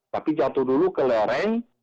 tapi jatuh dulu ke lereng